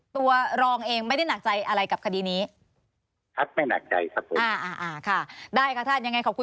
ตัวรองเองไม่ได้หนักใจเรื่องนี้